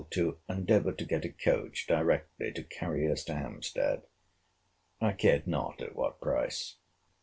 to endeavour to get a coach directly, to carry us to Hampstead; I cared not at what price.